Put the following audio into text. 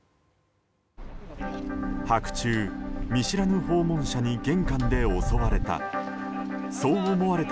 白昼、見知らぬ訪問者に玄関で襲われた。